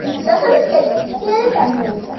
დასავლეთი კედელი მთლიანად დანგრეულია.